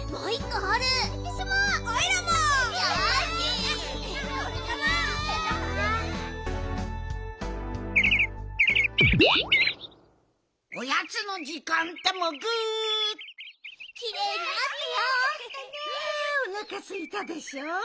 ああおなかすいたでしょう？